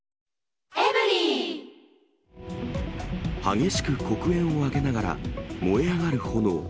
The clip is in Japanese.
激しく黒煙を上げながら、燃え上がる炎。